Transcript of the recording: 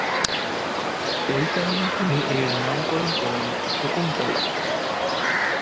এই কারণে তিনি এর নামকরণ করেন "শকুন্তলা"।